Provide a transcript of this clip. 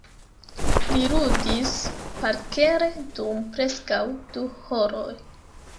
Li ludis parkere dum preskaŭ du horoj.